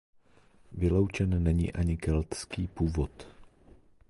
Vyloučen není ani keltský původ.